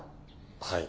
はい。